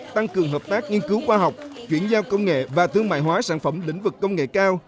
tăng cường hợp tác nghiên cứu khoa học chuyển giao công nghệ và thương mại hóa sản phẩm lĩnh vực công nghệ cao